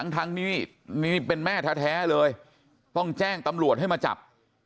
ทั้งนี้นี่เป็นแม่แท้เลยต้องแจ้งตำรวจให้มาจับ